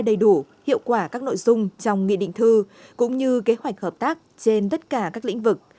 để đạt được đầy đủ hiệu quả các nội dung trong nghị định thư cũng như kế hoạch hợp tác trên tất cả các lĩnh vực